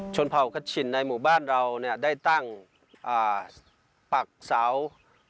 ชนเผาคชินในหมู่บ้านเราได้ตั้งตากเสามะนาวนี้